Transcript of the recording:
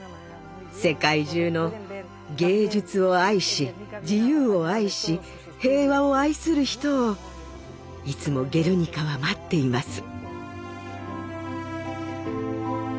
世界中の芸術を愛し自由を愛し平和を愛する人をいつも「ゲルニカ」は待っています。